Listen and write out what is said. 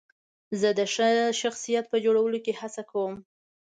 زه د ښه شخصیت په جوړولو کې هڅه کوم.